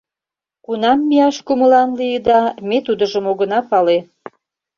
Кунам мияш кумылан лийыда, ме тудыжым огына пале.